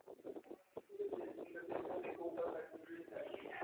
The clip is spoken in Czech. I v těchto případech může redukce výkonu pomoci zabránit úplné ztrátě výkonu motoru.